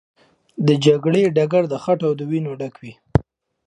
د جګړې ډګر د خټو او وینو ډک و.